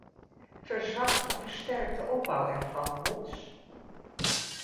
Verzwakt of versterkt de opbouw ervan ons?".